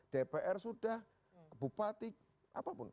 dpr sudah bupati apapun